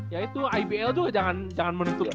ya itu ibl tuh jangan menentukan